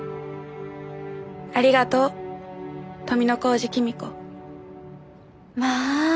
ありがとう富小路公子まああ。